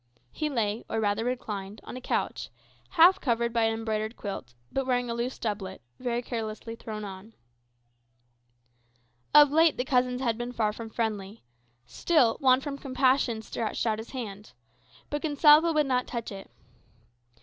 He lay, or rather reclined, on a couch, half covered by an embroidered quilt, but wearing a loose doublet, very carelessly thrown on. Of late the cousins had been far from friendly. Still Juan from compassion stretched out his hand. But Gonsalvo would not touch it.